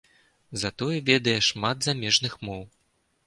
Затое ведае шмат замежных моў.